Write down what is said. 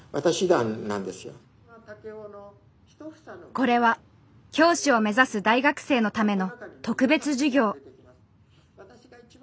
これは教師を目指す大学生のための特別授業。